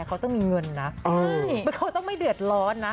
เขาต้องมีเงินนะเขาต้องไม่เดือดร้อนนะ